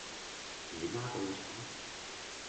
姨媽到左